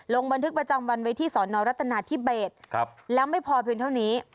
ลงบันทึกประจำวันไว้ที่สอนอรัฐนาธิเบสแล้วไม่พอเพียงเท่านี้